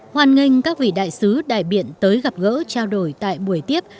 hoàn nghênh các vị đại sứ đại biện tới gặp gỡ trao đổi tại buổi tiếp